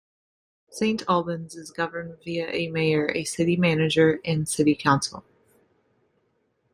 Saint Albans is governed via a mayor, a city manager and city council.